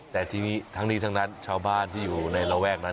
แต่ทีนี้ทั้งนี้ทั้งนั้นชาวบ้านที่อยู่ในระแวกนั้น